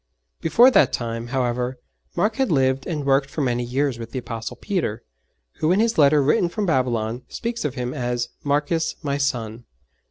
Before that time, however, Mark had lived and worked for many years with the Apostle Peter, who in his letter written from Babylon speaks of him as 'Marcus my son.'